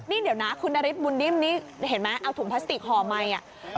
นี่เดี๋ยวนะคุณนฤทธบุญนิ่มนี่เห็นไหมเอาถุงพลาสติกห่อไมค์อ่ะ